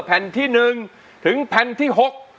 แผ่นที่๑ถึงแผ่นที่๖